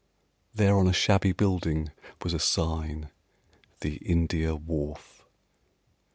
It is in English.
There on a shabby building was a sign "The India Wharf